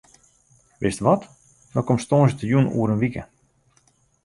Wist wat, dan komst tongersdeitejûn oer in wike.